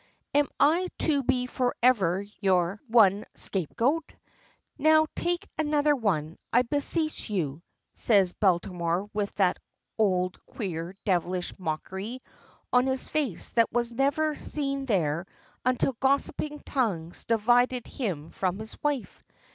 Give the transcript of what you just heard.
"Am I to be forever your one scapegoat? Now take another one, I beseech you," says Baltimore with that old, queer, devilish mockery on his face that was never seen there until gossiping tongues divided him from his wife.